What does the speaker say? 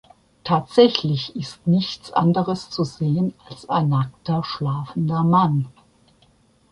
Tatsächlich ist nichts anderes zu sehen als ein nackter schlafender Mann.